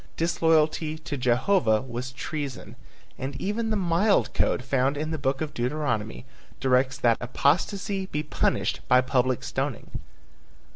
Disloyalty to Jehovah was treason, and even the mild code found in the book of Deuteronomy directs that apostasy be punished by public stoning.